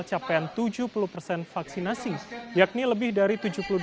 capaian tujuh puluh vaksinasi yakni lebih dari tujuh puluh dua